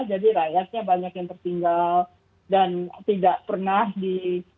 jadi rakyatnya banyak yang tertinggal dan tidak pernah di